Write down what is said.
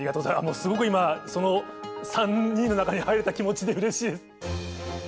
すごく今、その３人の中に入れた気持ちでうれしいです。